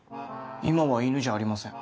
今は犬じゃありません。